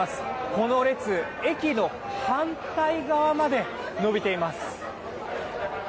この列、駅の反対側まで伸びています。